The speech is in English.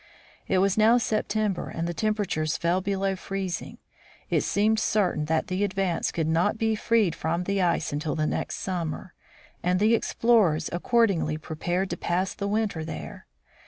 It was now September, and the temperature fell below freezing. It seemed certain that the Advance could not be freed from the ice until the next summer, and the ex plorers accordingly prepared to pass the winter there.